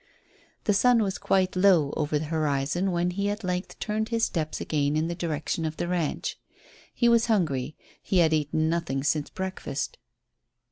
The sun was quite low over the horizon when he at length turned his steps again in the direction of the ranch. He was hungry; he had eaten nothing since breakfast.